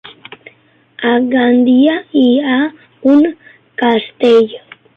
A Gandia hi ha un castell?